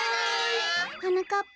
はなかっぱ。